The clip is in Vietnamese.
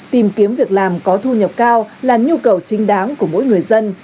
tìm kiếm việc làm có thu nhập cao là nhu cầu chính đáng của mỗi người dân